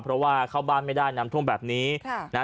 เพราะว่าเข้าบ้านไม่ได้น้ำท่วมแบบนี้ค่ะนะฮะ